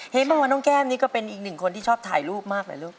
บอกว่าน้องแก้มนี่ก็เป็นอีกหนึ่งคนที่ชอบถ่ายรูปมากเลยลูก